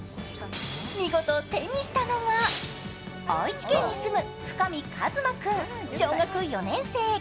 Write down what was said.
見事、手にしたのが、愛知県に住む深見和真君、小学４年生。